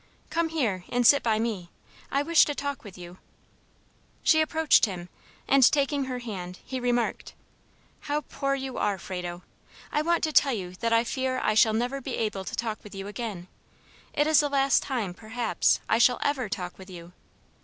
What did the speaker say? "Come here, and sit by me; I wish to talk with you." She approached him, and, taking her hand, he remarked: "How poor you are, Frado! I want to tell you that I fear I shall never be able to talk with you again. It is the last time, perhaps, I shall EVER talk with you.